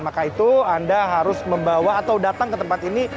maka itu anda harus membawa atau datang ke tempat ini